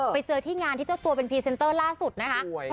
ไปเจอที่งานที่เจ้าตัวเป็นพรีเซนเตอร์ล่าสุดนะคะ